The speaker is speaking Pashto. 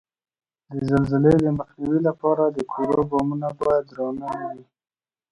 د زلزلې د مخنیوي لپاره د کورو بامونه باید درانه نه وي؟